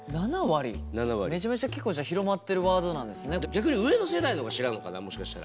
逆に上の世代の方が知らんのかなもしかしたら。